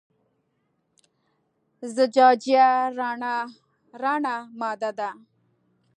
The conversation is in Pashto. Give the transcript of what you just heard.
زجاجیه رڼه ماده ده.